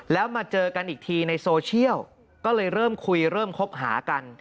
แล้วมาเจอกันอีกทีในโซเชียลก็เลยเริ่มคุยเริ่มคบหากัน